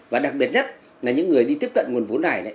và đặc biệt nhất là những người đi tiếp cận nguồn vốn này